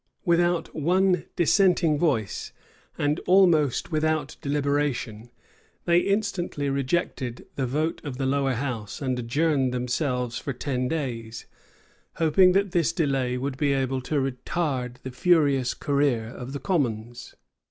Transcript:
Without one dissenting voice, and almost without deliberation, they instantly rejected the vote of the lower house, and adjourned themselves for ten days, hoping that this delay would be able to retard the furious career of the commons.